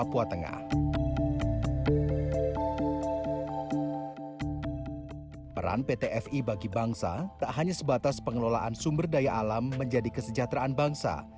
peran pt fi bagi bangsa tak hanya sebatas pengelolaan sumber daya alam menjadi kesejahteraan bangsa